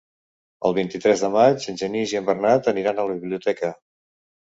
El vint-i-tres de maig en Genís i en Bernat aniran a la biblioteca.